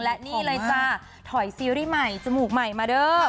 และนี่เลยจ้าถอยซีรีส์ใหม่จมูกใหม่มาเด้อ